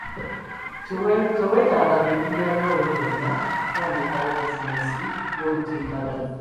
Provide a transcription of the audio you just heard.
Teweetaaga bintu bya njawulo byonna, okutandikawo bizinensi y'oku mutimbagano.